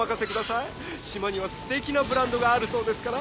島にはすてきなブランドがあるそうですから。